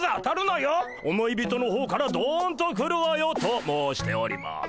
思い人の方からどんと来るわよ！」と申しております。